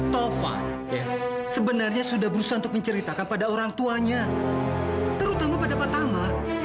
tovan sebenarnya sudah berusaha untuk menceritakan pada orang tuanya terutama pada pak tama